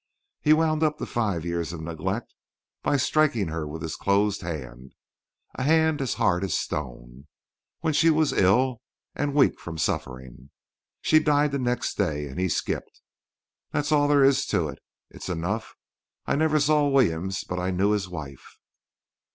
He wound up the five years of neglect by striking her with his closed hand—a hand as hard as a stone—when she was ill and weak from suffering. She died the next day; and he skipped. That's all there is to it. It's enough. I never saw Williams; but I knew his wife.